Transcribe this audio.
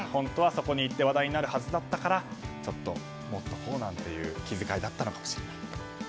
そこに行って話題になるはずだったからちょっと持っておこうという気遣いだったのかもしれない。